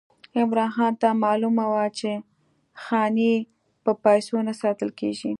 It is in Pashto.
عمرا خان ته معلومه وه چې خاني په پیسو نه ساتل کېږي.